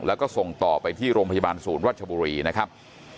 แล้วก็ส่งต่อไปที่โรงพยาบาลศูนย์วัชบุรีนะครับ